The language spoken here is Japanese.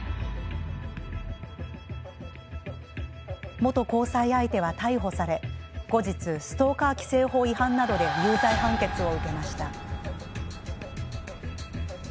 元交際相手は逮捕され後日ストーカー規制法違反などで有罪判決を受けました。